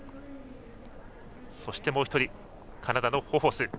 そしてもう１人カナダのホフォス。